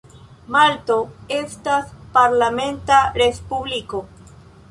Malto estas parlamenta respubliko.